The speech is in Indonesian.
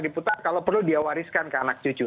diputar kalau perlu dia wariskan ke anak cucu